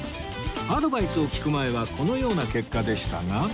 アドバイスを聞く前はこのような結果でしたが